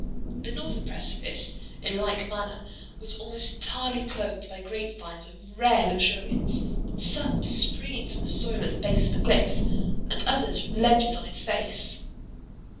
The northern precipice, in like manner, was almost entirely clothed by grape vines of rare luxuriance; some springing from the soil at the base of the cliff, and others from ledges on its face.